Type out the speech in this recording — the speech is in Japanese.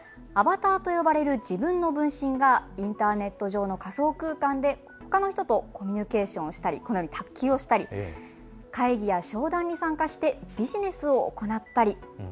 アバターと呼ばれる自分の分身がインターネット上の仮想空間でほかの人とコミュニケーションをしたり卓球をしたり会議や商談に参加してビジネスを行ったり。